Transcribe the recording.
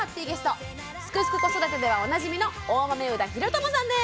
「すくすく子育て」ではおなじみの大豆生田啓友さんです。